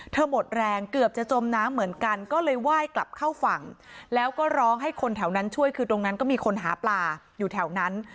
หมดแรงเกือบจะจมน้ำเหมือนกันก็เลยไหว้กลับเข้าฝั่งแล้วก็ร้องให้คนแถวนั้นช่วยคือตรงนั้นก็มีคนหาปลาอยู่แถวนั้น